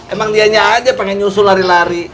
emang dianya aja pengen nyusul lari lari